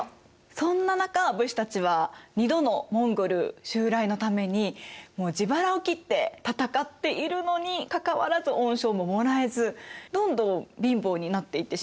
そんな中武士たちは２度のモンゴル襲来のために自腹を切って戦っているのにかかわらず恩賞ももらえずどんどん貧乏になっていってしまいますよね。